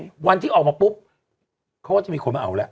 วันนี้วันที่ออกมาปุ๊บเขาก็จะมีคนมาเอาแล้ว